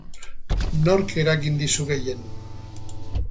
Nork eragin dizu gehien?